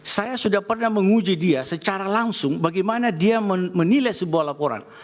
saya sudah pernah menguji dia secara langsung bagaimana dia menilai sebuah laporan